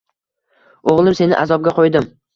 “O‘g‘lim, seni azobga qo‘ydim